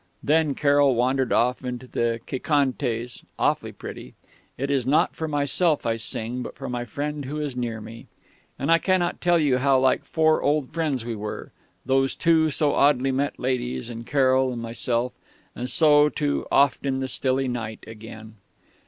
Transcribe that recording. Then Carroll wandered off into the Qué Cantes awfully pretty 'It is not for myself I sing, but for my friend who is near me' and I can't tell you how like four old friends we were, those two so oddly met ladies and Carroll and myself.... And so to Oft in the Stilly Night again....